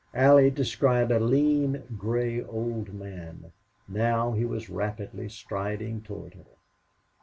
Allie described a lean, gray old man; now he was rapidly striding toward her.